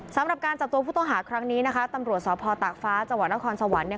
สำหรับการจับตัวผู้ต้องหาครั้งนี้นะคะตำรวจสพตากฟ้าจังหวัดนครสวรรค์เนี่ย